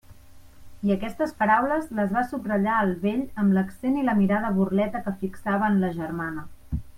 I aquestes paraules les va subratllar el vell amb l'accent i la mirada burleta que fixava en la germana.